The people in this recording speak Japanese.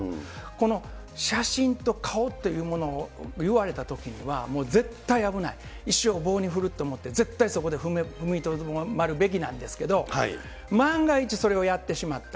この写真と顔というものを言われたときには、もう絶対危ない、一生を棒に振ると思って絶対そこで踏みとどまるべきなんですけど、万が一それをやってしまった。